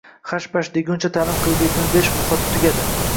Hash-pash deguncha, ta’lim kreditini berish muhlati tugadi.